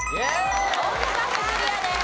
大阪府クリアです。